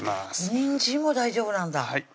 にんじんも大丈夫なんだ